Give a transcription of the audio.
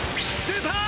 出た！